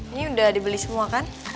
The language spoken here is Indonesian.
ini udah dibeli semua kan